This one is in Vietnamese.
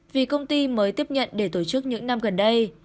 vì công ty mới tiếp nhận để tổ chức những năm gần đây